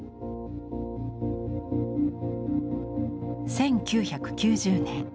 １９９０年。